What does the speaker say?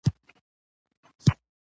خپله ومني، د بل نه.